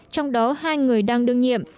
trong đó hai người đang đương nhiệm